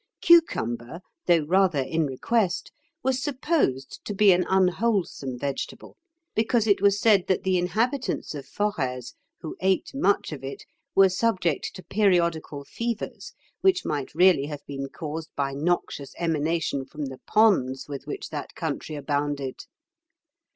Cucumber, though rather in request, was supposed to be an unwholesome vegetable, because it was said that the inhabitants of Forez, who ate much of it, were subject to periodical fevers, which might really have been caused by noxious emanation from the ponds with which that country abounded.